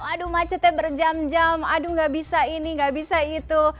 aduh macetnya berjam jam aduh gak bisa ini nggak bisa itu